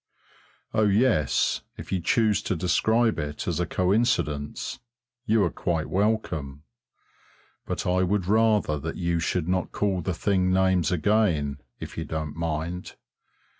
Oh yes, if you choose to describe it as a coincidence, you are quite welcome, but I would rather that you should not call the thing names again, if you don't mind.